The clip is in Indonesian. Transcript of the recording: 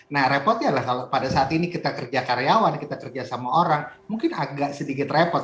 nah repotnya lah kalau pada saat ini kita kerja karyawan kita kerja sama orang mungkin agak sedikit repot